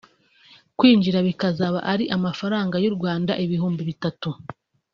kwinjira bikazaba ari amafaranga y’u Rwanda ibihumbi bitatu